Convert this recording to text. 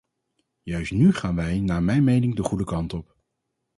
Juist nu gaan wij naar mijn mening de goede kant op.